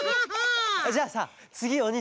じゃあさつぎおに